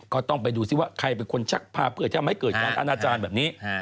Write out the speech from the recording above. ก็ต้องไปดูซิว่าใครเป็นคนชักพาเพื่อจะไม่เกิดการอาณาจารย์แบบนี้